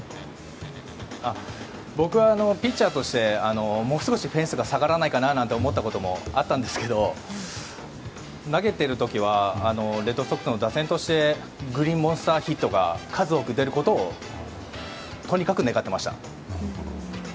僕はピッチャーとしてもう少しフェンスが下がらないかななんて思ったこともあったんですけど投げている時はレッドソックスの打線でグリーンモンスターヒットが数多く出ることをとにかく願っていました。